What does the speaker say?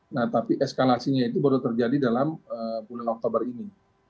nah tapi eskalasinya itu baru terjadi dalam bulan oktober ini